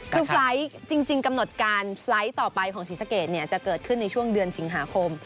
คือไฟล์ทจริงกำหนดการไฟล์ต่อไปของศรีสะเกดจะเกิดขึ้นในช่วงเดือนสิงหาคม